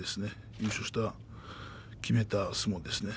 優勝を決めた相撲ですね。